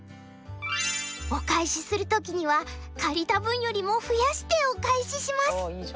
お返しするときには借りた分よりも増やしてお返しします」。